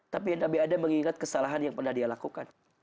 tapi nabi ada mengingat kesalahan yang pernah dia lakukan